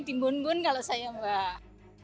di bun bun kalau saya mbak